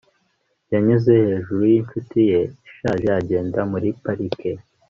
Yanyuze hejuru yinshuti ye ishaje agenda muri parike